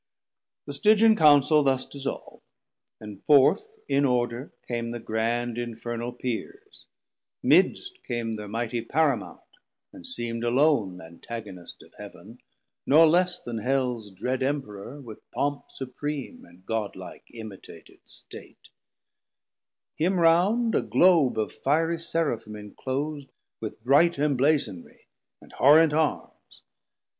The Stygian Councel thus dissolv'd; and forth In order came the grand infernal Peers, Midst came thir mighty Paramount, and seemd Alone th' Antagonist of Heav'n, nor less Then Hells dread Emperour with pomp Supream, 510 And God like imitated State; him round A Globe of fierie Seraphim inclos'd With bright imblazonrie, and horrent Arms.